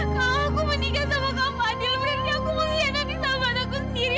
kak aku menikah sama kak fadil berarti aku mengkhianati sahabat aku sendiri